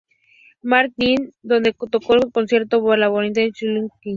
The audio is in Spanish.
Martin-in-the-Fields, donde tocó el concierto para violín de Chaikovski.